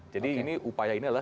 jadi ini upaya ini adalah